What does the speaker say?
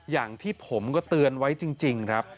อย่างที่ผมก็เตือนไว้จริงครับ